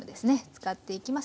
使っていきます。